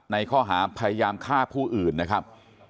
ในข้อหาพยายามฆ่าผู้อื่นนะครับ